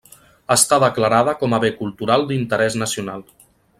Està declarada com a bé cultural d'interès nacional.